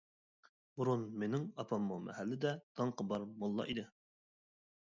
بۇرۇن مېنىڭ ئاپاممۇ مەھەللىدە داڭقى بار موللا ئىدى.